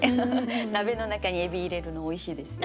鍋の中にエビ入れるのおいしいですよね。